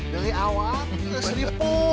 dari awal ke seribu